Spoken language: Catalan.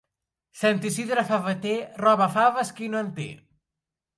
Sant Isidre favater, roba faves qui no en té.